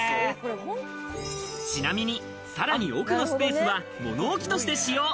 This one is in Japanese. ちなみに、さらに奥のスペースは物置として使用。